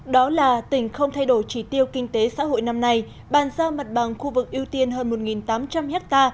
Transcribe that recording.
đó là tỉnh không thay đổi chỉ tiêu kinh tế xã hội năm nay bàn giao mặt bằng khu vực ưu tiên hơn một tám trăm linh ha